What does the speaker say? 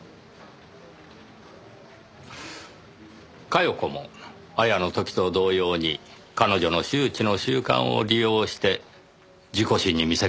「加世子も亞矢の時と同様に彼女の周知の習慣を利用して事故死に見せかけて殺しました」